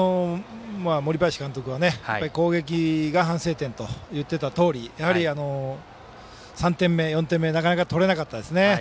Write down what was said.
森林監督は攻撃が反省点と言ってたとおりやはり、３点目、４点目なかなか取れなかったですね。